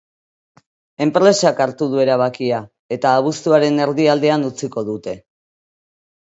Enpresak hartu du erabakia, eta abuztuaren erdialdean utziko dute.